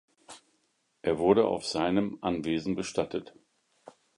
Er wurde auf seinem Anwesen bestattet.